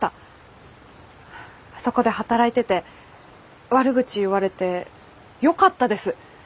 あそこで働いてて悪口言われてよかったです。